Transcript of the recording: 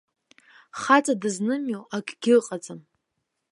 Хаҵа дызнымио акгьы ыҟаӡам.